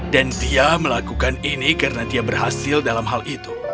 dan dia melakukan ini karena dia berhasil dalam hal itu